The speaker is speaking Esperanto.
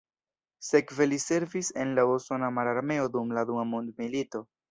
Sekve li servis en la usona mararmeo dum la Dua Mondmilito.